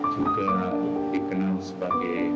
juga dikenal sebagai